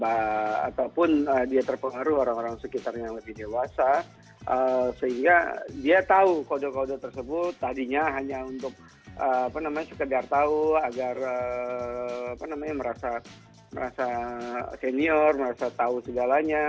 ataupun dia terpengaruh orang orang sekitar yang lebih dewasa sehingga dia tahu kode kode tersebut tadinya hanya untuk sekedar tahu agar merasa senior merasa tahu segalanya